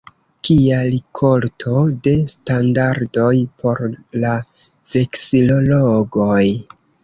Kia rikolto de standardoj por la veksilologoj!